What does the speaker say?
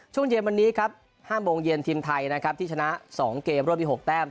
ช่วงเย็นวันนี้ครับ๕โมงเย็นทีมไทยนะครับที่ชนะ๒เกมร่วมมี๖แต้ม